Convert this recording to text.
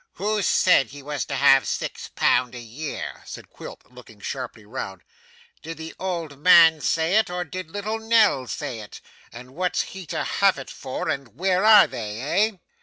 'Who said he was to have six pound a year?' said Quilp, looking sharply round. 'Did the old man say it, or did little Nell say it? And what's he to have it for, and where are they, eh!